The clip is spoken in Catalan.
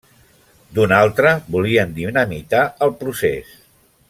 D'una altra volien dinamitar el procés.